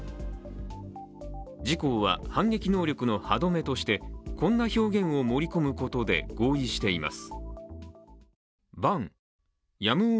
自公は反撃能力の歯止めとしてこんな表現を盛り込むことで合意しています。